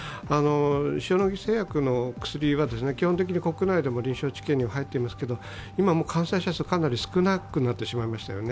塩野義製薬の薬は基本的に国内でも臨床治験に入ってますけど今は感染者数がかなり少なくなってしまいましたよね。